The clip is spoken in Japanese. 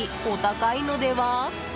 お高いのでは？